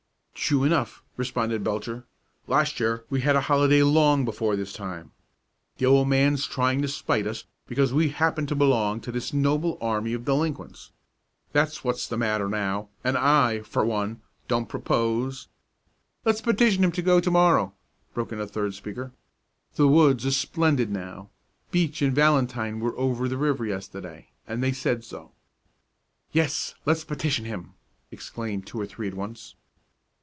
"True enough!" responded Belcher. "Last year we had a holiday long before this time. The old man's trying to spite us because we happen to belong to the noble army of delinquents. That's what's the matter now, and I, for one, don't propose " "Let's petition him to go to morrow," broke in a third speaker. "The woods are splendid now; Beach and Valentine were over the river yesterday, and they said so." "Yes, let's petition him!" exclaimed two or three at once.